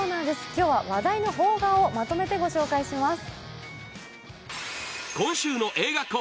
今日は話題の邦画をまとめてご紹介します。